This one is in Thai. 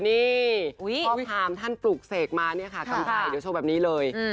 นี่ข้อความท่านปลุกเสกมาเนี่ยค่ะกำไรเดี๋ยวโชว์แบบนี้เลย